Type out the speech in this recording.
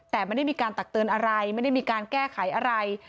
แต่ไม่ได้มีการตักเตือนอะไรไม่ได้มีการแก้ไขอะไร